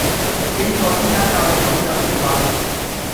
邊個先生教你咁樣亂畫